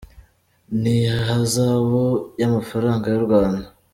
n’ihazabu y’amafaranga y’u Rwanda